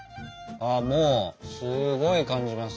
もうすごい感じます。